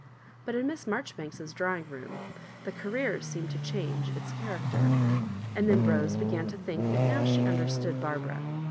but in Miss Marjori banks's drawing room the Career seemed to change its character ;— and then Rose began to think that now she understood Barbara.